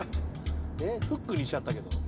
フックにしちゃったけど。